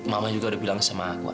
mama juga udah bilang sama aku